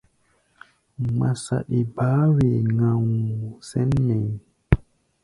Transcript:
Ŋma saɗi baá wee ŋgao sɛ̌n mɛʼí̧.